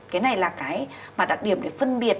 cái này là cái mà đặc điểm để phân biệt